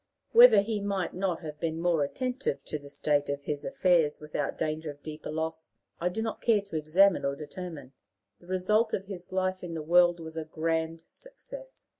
Whether he might not have been more attentive to the state of his affairs without danger of deeper loss, I do not care to examine or determine; the result of his life in the world was a grand success.